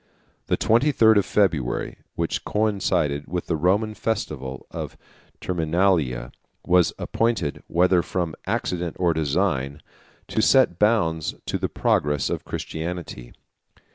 The twenty third of February, which coincided with the Roman festival of the Terminalia, 149 was appointed (whether from accident or design) to set bounds to the progress of Christianity.